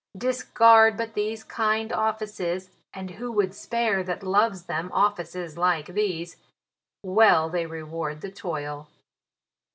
" Discharge but these kind offices, (and who " Would spare, that loves them, offices like these) " Well they reward the toil."